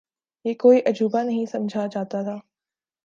یہ کوئی عجوبہ نہیں سمجھا جاتا تھا۔